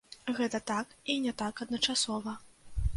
Гэта так, і не так адначасова.